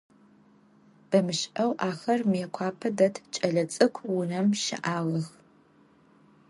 Бэмышӏэу ахэр Мыекъуапэ дэт кӏэлэцӏыкӏу унэм щыӏагъэх.